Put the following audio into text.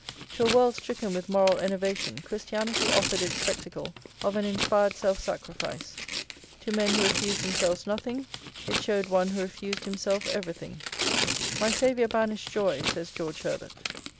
To a world stricken with moral enervation Christianity offered its spectacle of an inspired self sacrifice; to men who refused themselves nothing, it showed one who refused himself everything; "my Saviour banished joy" says George Herbert.